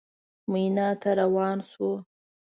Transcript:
مینا ته روان شوو.